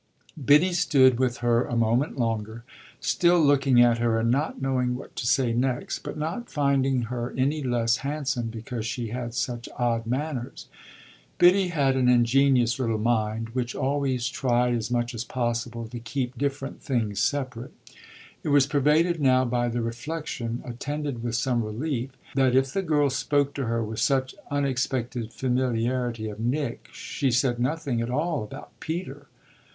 Biddy stood with her a moment longer, still looking at her and not knowing what to say next, but not finding her any less handsome because she had such odd manners. Biddy had an ingenious little mind, which always tried as much as possible to keep different things separate. It was pervaded now by the reflexion, attended with some relief, that if the girl spoke to her with such unexpected familiarity of Nick she said nothing at all about Peter.